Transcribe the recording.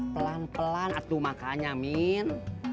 pelan pelan atau makannya min